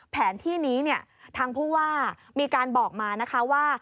แผนที่นี้ทางผู้ว่ามีการบอกมานะคะว่า